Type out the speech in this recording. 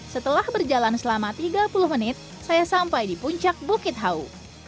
setelah berjalan selama tiga puluh menit saya sampai di puncak bukit hau